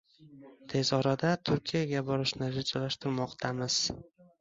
Tez orada Turkiyaga borishni rejalashtirmoqdamiz